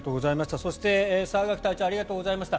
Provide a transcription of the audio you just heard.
そして澤柿隊長ありがとうございました。